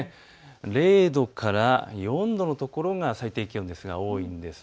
０度から４度の所が最低気温、多いです。